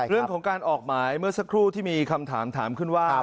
เรื่องของการออกหมายเมื่อสักครู่ที่มีคำถามถามขึ้นว่า